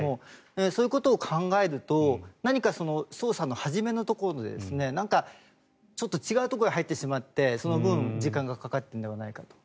そういうことを考えると何か捜査の初めのところでちょっと違うところに入ってしまってその分、時間がかかっているんじゃないかと。